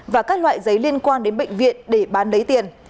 và các loại giấy liên quan đến bệnh viện để bán lấy tiền